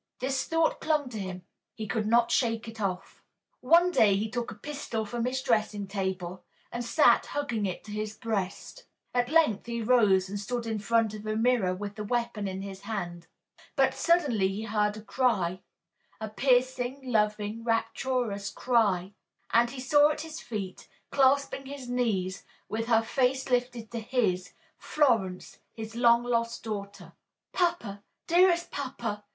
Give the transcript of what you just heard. This thought clung to him. He could not shake it off. One day he took a pistol from his dressing table and sat hugging it to his breast. At length he rose and stood in front of a mirror with the weapon in his hand. But suddenly he heard a cry a piercing, loving, rapturous cry and he saw at his feet, clasping his knees, with her face lifted to his, Florence, his long lost daughter. "Papa, dearest papa!"